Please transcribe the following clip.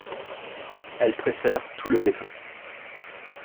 Elle préfère tout le gâteau.